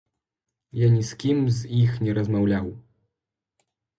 Я ні з кім з іх не размаўляў.